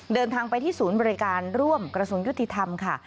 เดินทางไปที่ศูนย์บริการร่วมกระทรวงยุติธรรมค่ะ